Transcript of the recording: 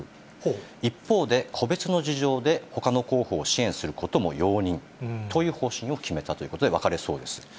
一方で、個別の事情でほかの候補を支援することも容認という方針を決めたということで分かれそうです。